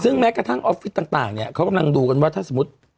ซึ่งแม้กระทั่งออฟฟิศต่างเนี่ยเขากำลังดูกันว่าถ้าสมมุติ